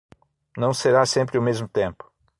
Não será sempre o mesmo tempo.